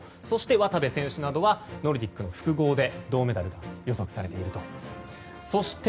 そして渡部選手はノルディック複合で銅メダルに予想されていると。